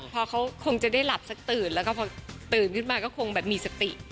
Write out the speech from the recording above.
พอเขาคงจะได้หลับสักตื่นแล้วก็พอตื่นขึ้นมาก็คงแบบมีสติ